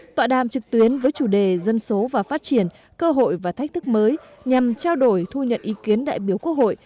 tọa đàm trực tuyến với chủ đề dân số và phát triển cơ hội và thách thức mới nhằm trao đổi thu nhận ý kiến đại biểu quốc hội